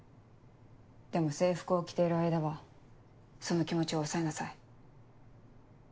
でも制服を着ている間はその気持ちを抑えなさい。